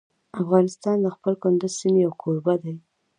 افغانستان د خپل کندز سیند یو کوربه دی.